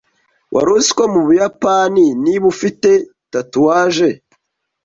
Wari uzi ko mu Buyapani, niba ufite tatouage,